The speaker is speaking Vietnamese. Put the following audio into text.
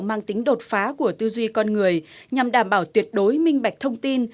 mang tính đột phá của tư duy con người nhằm đảm bảo tuyệt đối minh bạch thông tin